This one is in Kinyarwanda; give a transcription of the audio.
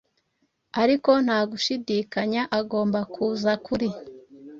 ariko ntagushidikanya agomba kuza kuri